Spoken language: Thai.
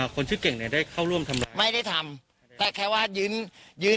คนชื่อเก่งเนี่ยได้เข้าร่วมทำร้ายไม่ได้ทำแต่แค่ว่ายืนยืน